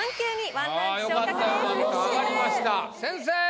先生！